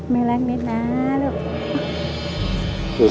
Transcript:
แม่รักนิดนะลูก